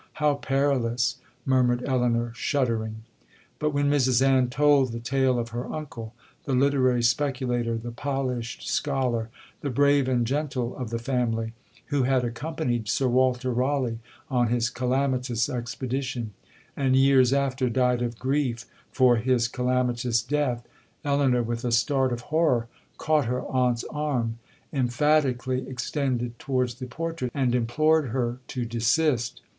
—how perilous!' murmured Elinor, shuddering. But when Mrs Ann told the tale of her uncle, the literary speculator, the polished scholar, the brave and gentle of the family, who had accompanied Sir Walter Raleigh on his calamitous expedition, and years after died of grief for his calamitous death, Elinor, with a start of horror, caught her aunt's arm, emphatically extended towards the portrait, and implored her to desist.